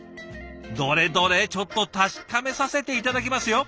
どれどれちょっと確かめさせて頂きますよ。